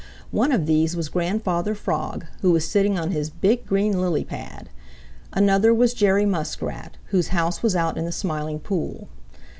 One of these was Grandfather Frog, who was sitting on his big, green, lily pad. Another was Jerry Muskrat, whose house was out in the Smiling Pool.